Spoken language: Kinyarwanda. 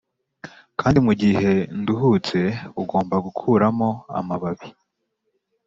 kandi mugihe nduhutse ugomba gukuramo amababi,